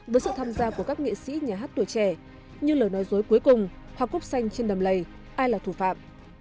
với sự tham gia của các nghệ sĩ nhà hát tuổi trẻ như lời nói dối cuối cùng hoa cúc xanh trên đầm lầy ai là thủ phạm